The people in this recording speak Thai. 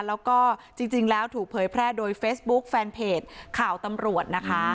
แล้วก็จริงแล้วถูกเผยแพร่โดยเฟซบุ๊คแฟนเพจข่าวตำรวจนะคะ